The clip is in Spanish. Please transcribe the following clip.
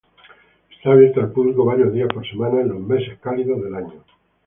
Está abierto al público varios días por semana en los meses cálidos del año.